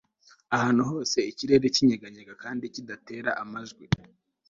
Ahantu hose ikirere kinyeganyega kandi kigatera amajwi